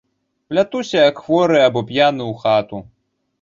Плятуся, як хворы або п'яны, у хату.